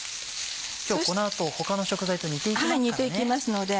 今日この後他の食材と煮て行きますからね。